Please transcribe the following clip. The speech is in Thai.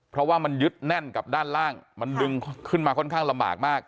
เพราะว่ามันยึดแน่นกับด้านล่างมันดึงขึ้นมาค่อนข้างลำบากมาก